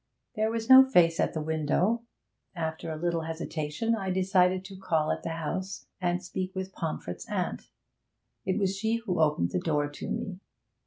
There was no face at the window. After a little hesitation I decided to call at the house and speak with Pomfret's aunt. It was she who opened the door to me.